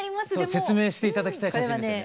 説明して頂きたい写真ですよね。